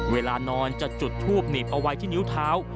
เวลานอนจะจุดทูบหนีบเอาไว้ที่นิ้วเท้า